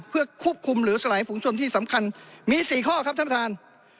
เพื่อควบคุมหรือสลายฝุงชนที่สำคัญมี๔ข้อครับท่านประธาน